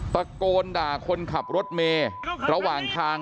ตะโกนด่าคนขับรถเมย์ระหว่างทาง